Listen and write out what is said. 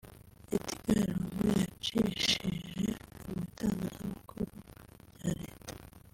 Edgar Lungu yacishije mu itangazamakuru rya Leta